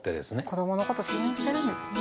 子供のこと信用してるんですね・